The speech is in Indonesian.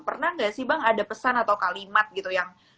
pernah nggak sih bang ada pesan atau kalimat gitu yang